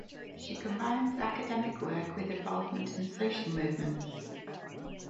She combines academic work with involvement in social movements.